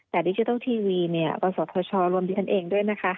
แต่ดิจิทัลทีวีเนี่ยกศธชรวมดิฉันเองด้วยนะคะ